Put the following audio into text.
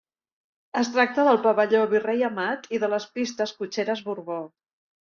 Es tracta del Pavelló Virrei Amat i de les Pistes Cotxeres Borbó.